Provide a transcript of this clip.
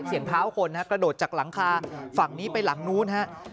เท้าคนกระโดดจากหลังคาฝั่งนี้ไปหลังนู้นฮะ